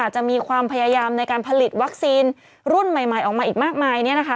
จะมีความพยายามในการผลิตวัคซีนรุ่นใหม่ออกมาอีกมากมาย